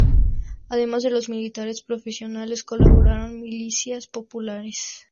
Además de los militares profesionales, colaboraron milicias populares.